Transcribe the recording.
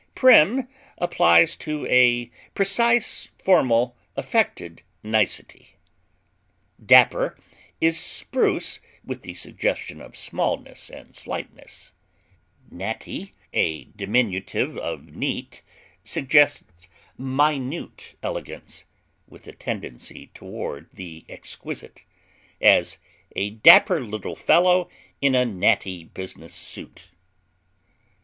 Prim applies to a precise, formal, affected nicety. Dapper is spruce with the suggestion of smallness and slightness; natty, a diminutive of neat, suggests minute elegance, with a tendency toward the exquisite; as, a dapper little fellow in a natty business suit.